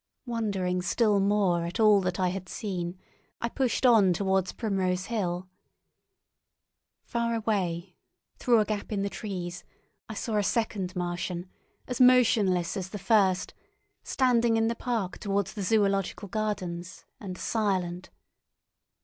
Wondering still more at all that I had seen, I pushed on towards Primrose Hill. Far away, through a gap in the trees, I saw a second Martian, as motionless as the first, standing in the park towards the Zoological Gardens, and silent.